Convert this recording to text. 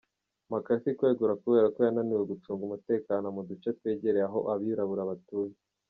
McCarthy kwegura kubera ko yananiwe gucunga umutekano mu duce twegereye aho abirabura batuye.